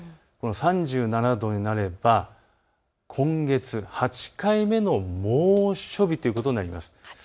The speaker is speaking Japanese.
３７度になれば今月８回目の猛暑日ということになります。